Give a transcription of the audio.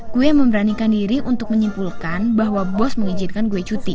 gue yang memberanikan diri untuk menyimpulkan bahwa bos mengizinkan gue cuti